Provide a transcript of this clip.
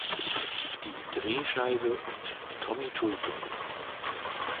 Die Drehscheibe und "Tommy Tulpe".